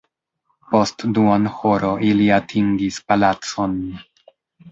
Post duonhoro ili atingis palacon.